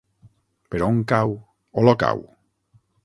Per on cau Olocau?